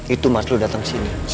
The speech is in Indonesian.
itu mas lu dateng sini